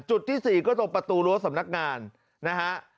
จุดที่๔ก็ตรงประตูรั้วสำนักงานนะฮะ